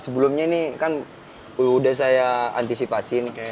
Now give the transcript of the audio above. sebelumnya ini kan udah saya antisipasi